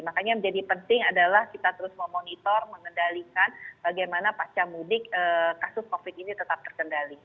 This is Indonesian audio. jadi yang menjadi penting adalah kita terus memonitor mengendalikan bagaimana pasca mudik kasus covid ini tetap terkendali